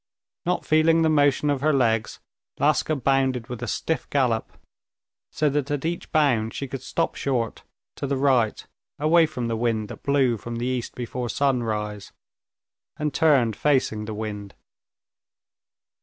Not feeling the motion of her legs, Laska bounded with a stiff gallop, so that at each bound she could stop short, to the right, away from the wind that blew from the east before sunrise, and turned facing the wind.